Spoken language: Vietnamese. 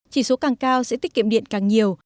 chỉ số càng cao sẽ tiết kiệm điện càng nhiều